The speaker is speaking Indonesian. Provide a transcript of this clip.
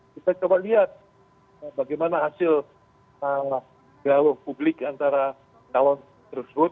kita coba lihat bagaimana hasil dialog publik antara calon tersebut